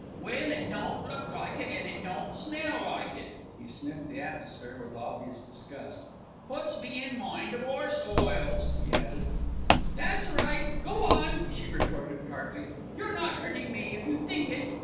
"Well, it don't look like it, and it don't smell like it." He sniffed the atmosphere with obvious disgust. "Puts me in mind of 'orse oils," he added. "That's right, go on," she retorted tartly. "You're not hurting me, if you think it."